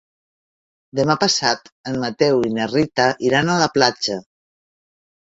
Demà passat en Mateu i na Rita iran a la platja.